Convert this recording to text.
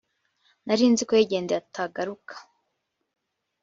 narinziko yigendeye atagaruka